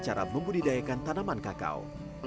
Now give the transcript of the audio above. cara membudidayakan tanaman kakao